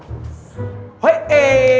kayanya apa opa devin ngerti